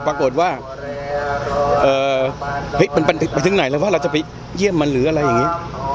ปรากฏว่าเฮ้ยมันไปถึงไหนเลยว่าเราจะไปเยี่ยมมันหรืออะไรอย่างนี้